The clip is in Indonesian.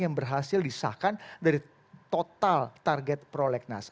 yang berhasil disahkan dari total target prolegnas